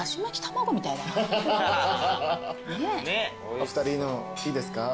お二人のいいですか？